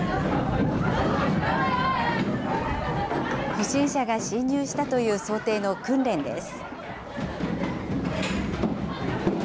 不審者が侵入したという想定の訓練です。